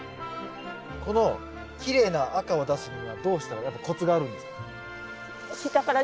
このきれいな赤を出すにはどうしたらやっぱコツがあるんですか？